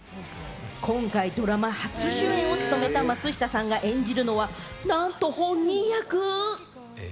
今回ドラマ初主演を務めた松下さんが演じるのはなんと本人役。